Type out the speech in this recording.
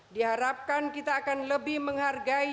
diharapkan kita akan lebih menghargai